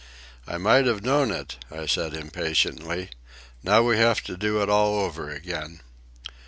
"I might have known it," I said impatiently. "Now we have to do it all over again."